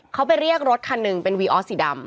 เขาไปเรียกรถคันหนึ่งเป็นวีออสสีดำ